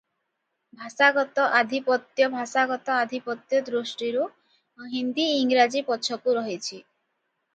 ଭାଷାଗତ ଆଧିପତ୍ୟ ଭାଷାଗତ ଆଧିପତ୍ୟ ଦୃଷ୍ଟିରୁ ହିନ୍ଦୀ ଇଂରାଜୀ ପଛକୁ ରହିଛି ।